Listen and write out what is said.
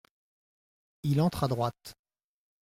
Il entre à droite.